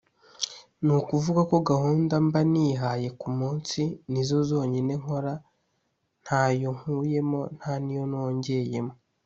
ni ukuvuga ko gahunda mba nihaye ku munsi nizo zonyine nkora ntayo nkuyemo nta n’iyo nongeyemo